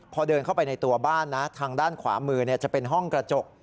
พอเดินเข้าไปในตัวบ้านนะทางด้านขวามือจะเป็นห้องกระจก